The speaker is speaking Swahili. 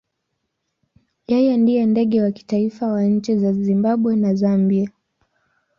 Yeye ndiye ndege wa kitaifa wa nchi za Zimbabwe na Zambia.